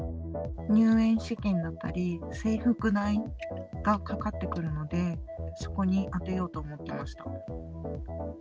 入園資金だったり、制服代がかかってくるので、そこに充てようと思っていました。